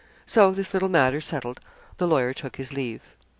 So, this little matter settled, the lawyer took his leave.